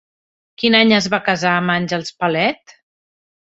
Quin any es va casar amb Àngels Palet?